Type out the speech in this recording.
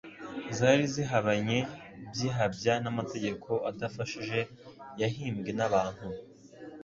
zari zihabanye by'ihabya n'amategeko adafashije yahimbwe n'abantu.